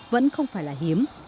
vẫn không phải là hiếm